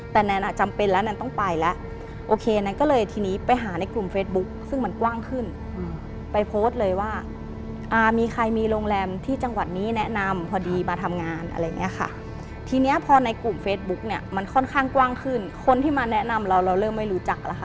แต่แนนอ่ะจำเป็นแล้วแนนต้องไปแล้วโอเคแนนก็เลยทีนี้ไปหาในกลุ่มเฟซบุ๊คซึ่งมันกว้างขึ้นไปโพสต์เลยว่าอ่ามีใครมีโรงแรมที่จังหวัดนี้แนะนำพอดีมาทำงานอะไรอย่างเงี้ยค่ะทีเนี้ยพอในกลุ่มเฟซบุ๊กเนี่ยมันค่อนข้างกว้างขึ้นคนที่มาแนะนำเราเราเริ่มไม่รู้จักแล้วค่ะ